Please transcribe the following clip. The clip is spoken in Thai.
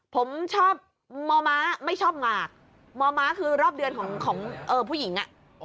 ผมชอบม้าไม่ชอบหงากม้าคือรอบเดือนของผู้หญิง